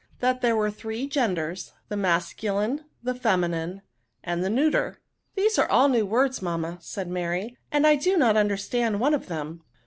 That there were three genders, the mascuUnej the feminine f and the neuter* ^* These are all new words, mamma/' said Mary ;^' and I do not tmderstand one of them."